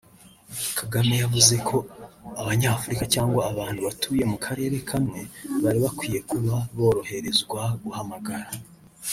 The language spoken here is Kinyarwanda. Kagame yavuze ko Abanyafurika cyangwa abantu batuye mu karere kamwe bari bakwiye kuba boroherezwa guhamagara